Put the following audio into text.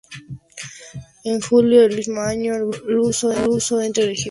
En julio del mismo año, el grupo luso entra en Egipto.